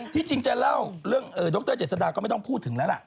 ที่จริงจะเล่าเรื่องดรเจษฎาก็ไม่ต้องพูดถึงแล้วล่ะ